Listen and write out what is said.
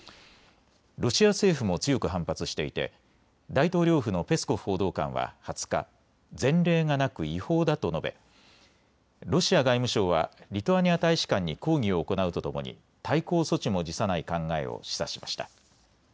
ロシア政府も強く反発していて大統領府のペスコフ報道官は２０日、前例がなく違法だと述べロシア外務省はリトアニア大使館に抗議を行うとともに対抗措置も辞さない考えを示唆しました。